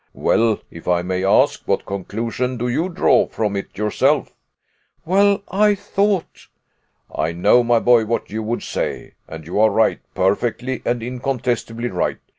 "Well, if I may ask, what conclusion do you draw from it yourself?" "Well, I thought " "I know, my boy, what you would say, and you are right, perfectly and incontestably right.